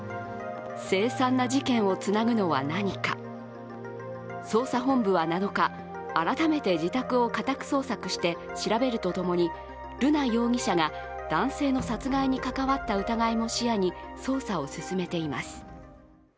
凄惨な事件をつなぐのは何か、捜査本部は７日、改めて自宅を家宅捜索して調べるとともに瑠奈容疑者が男性の殺害に関わった疑いも視野に捜査を進めています。